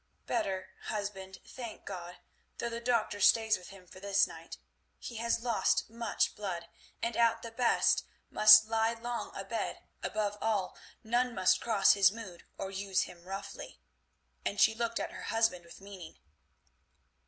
"Better, husband, thank God, though the doctor stays with him for this night. He has lost much blood, and at the best must lie long abed; above all none must cross his mood or use him roughly," and she looked at her husband with meaning.